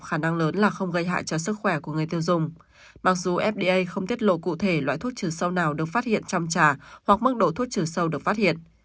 khả năng lớn là không gây hại cho sức khỏe của người tiêu dùng mặc dù fda không tiết lộ cụ thể loại thuốc trừ sâu nào được phát hiện trong trà hoặc mức độ thuốc trừ sâu được phát hiện